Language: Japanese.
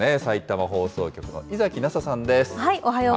さいたま放送局の猪崎那紗さんです。